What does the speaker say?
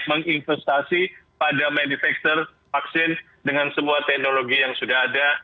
dan saya ingin menginvestasi pada pembina vaksin dengan semua teknologi yang sudah ada